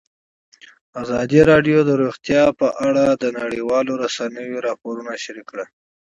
ازادي راډیو د روغتیا په اړه د نړیوالو رسنیو راپورونه شریک کړي.